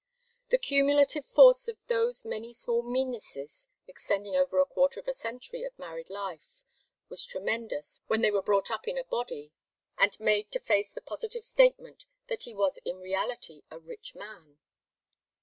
The cumulative force of those many small meannesses extending over a quarter of a century of married life was tremendous when they were brought up in a body and made to face the positive statement that he was in reality a rich man.